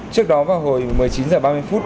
trước đó vào hồi một mươi chín h ba mươi phút